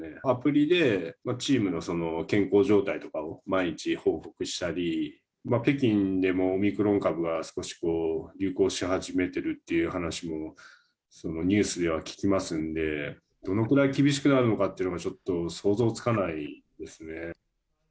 アプリで、チームの健康状態とかを毎日報告したり、北京でもオミクロン株が少し流行し始めてるっていう話も、ニュースでは聞きますんで、どのくらい厳しくなるのかっていうのはちょっと想像つかないです